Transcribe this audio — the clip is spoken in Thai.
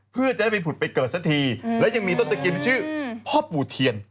เพื่อจะได้ไปผุดไปเกิดสักทีและยังมีต้นตะเคียนชื่อพ่อปู่เทียน